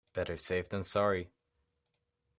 Better safe than sorry.